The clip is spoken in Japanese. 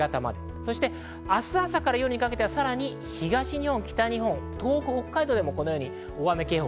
そして明日朝から夜にかけては、東日本、北日本、東北、北海道でもこのように大雨警報。